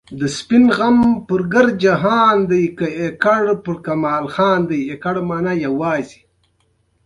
ډيپلومات د اقتصاد، فرهنګ او سیاست په برخه کې کار کوي.